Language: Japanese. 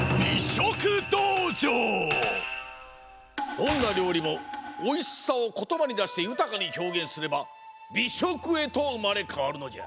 どんなりょうりもおいしさをことばにだしてゆたかにひょうげんすればびしょくへとうまれかわるのじゃ。